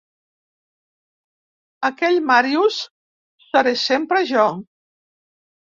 Aquell Màrius seré sempre jo.